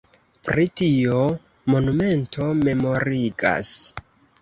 Pri tio monumento memorigas.